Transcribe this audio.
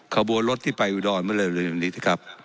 ขวาบัวรถที่ไปละครับลืมที่ครับ